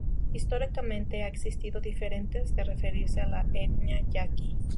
Históricamente ha existido diferentes de referirse a la etnia yaqui.